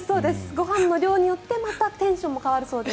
ご飯の量によってテンションも変わるそうです。